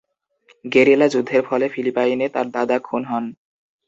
Guerrilla যুদ্ধের ফলে ফিলিপাইনে তাঁর দাদা খুন হন।